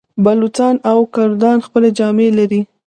بلوڅان او کردان خپلې جامې لري.